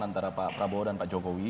antara pak prabowo dan pak jokowi